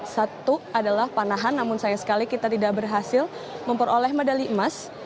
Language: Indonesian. satu adalah panahan namun sayang sekali kita tidak berhasil memperoleh medali emas